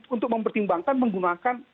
untuk mempertimbangkan menggunakan